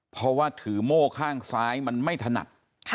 เพราะว่าถือโม่ข้างซ้ายมันไม่ถนัด